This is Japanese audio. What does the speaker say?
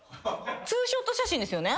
２ショット写真ですよね？